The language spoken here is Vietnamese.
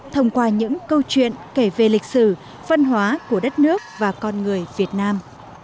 thông qua những câu chuyện kể về lịch sử văn hóa của đất nước và con người việt nam